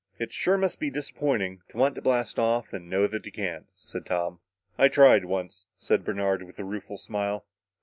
"It sure must be disappointing to want to blast off, and know that you can't," said Tom. "I tried, once," said Bernard, with a rueful smile.